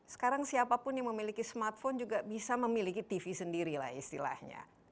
sekarang siapapun yang memiliki smartphone juga bisa memiliki tv sendiri lah istilahnya